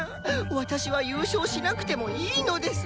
私は優勝しなくてもいいのです。